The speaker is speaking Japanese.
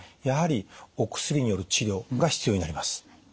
やはりお薬による治療が必要になります。